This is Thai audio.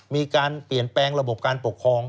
มีการเปลี่ยนแปลงระบบการปกครอง